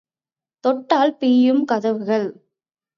தொட்டால் பிய்யும் கதவுகள்.